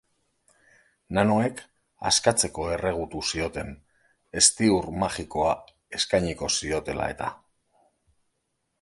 Nanoek, askatzeko erregutu zioten, ezti-ur magikoa eskainiko ziotela eta.